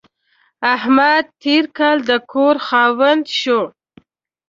احمد تېر کال د کور خاوند شو.